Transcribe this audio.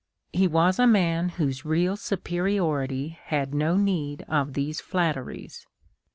lie was a man whose real superiority had no need of these flatteries.